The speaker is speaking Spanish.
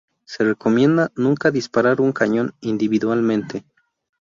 Se recomienda nunca disparar un cañón individualmente.